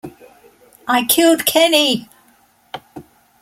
I killed Kenny!